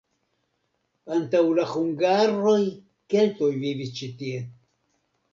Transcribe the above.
Antaŭ la hungaroj keltoj vivis ĉi tie.